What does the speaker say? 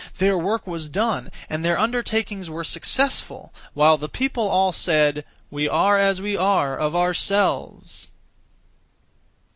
Their work was done and their undertakings were successful, while the people all said, 'We are as we are, of ourselves!'